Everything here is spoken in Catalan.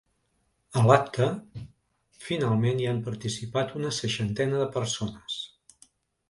A l’acte, finalment hi han participat una seixantena de persones.